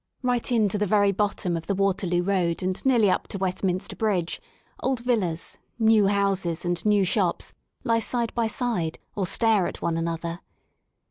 Right in to the very bottom of the Waterloo Road, and nearly up to Westminster Bridge, old villas, new houses and new shops He side by side, or stare at one another.